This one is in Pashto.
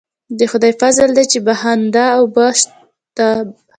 د خدای فضل دی چې بهانده اوبه شته.